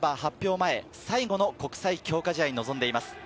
前、最後の国際強化試合に臨んでいます。